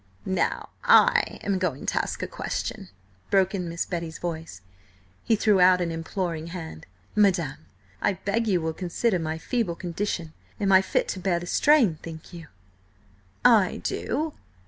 "Now I am going to ask a question," broke in Miss Betty's voice. He threw out an imploring hand. "Madam, I beg you will consider my feeble condition Am I fit to bear the strain, think you?" "I do!